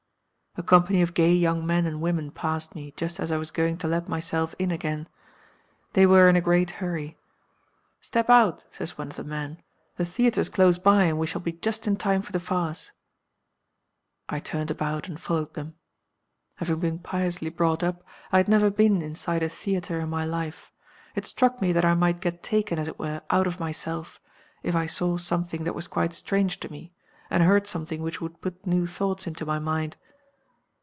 "A company of gay young men and women passed me, just as I was going to let myself in again. They were in a great hurry. 'Step out,' says one of the men; 'the theatre's close by, and we shall be just in time for the farce.' I turned about and followed them. Having been piously brought up, I had never been inside a theatre in my life. It struck me that I might get taken, as it were, out of myself, if I saw something that was quite strange to me, and heard something which would put new thoughts into my mind.